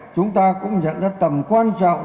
chúng ta cũng nhận ra tầm quan trọng